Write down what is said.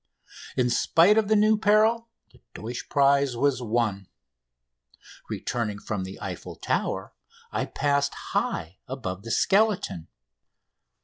In spite of the new peril the Deutsch prize was won. Returning from the Eiffel Tower I passed high above the skeleton.